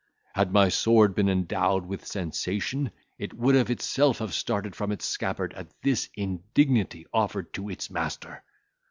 "Had my sword been endowed with sensation, it would of itself have started from its scabbard at this indignity offered to its master.